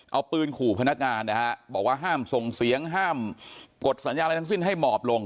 เอาปืนขู่พนักงานนะฮะบอกว่าห้ามส่งเสียงห้ามกดสัญญาอะไรทั้งสิ้นให้หมอบลง